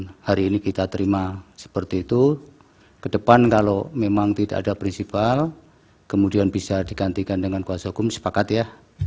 jadi kalau hari ini kita terima seperti itu ke depan kalau memang tidak ada prinsipal kemudian bisa digantikan dengan kuasa hukum sepakat ya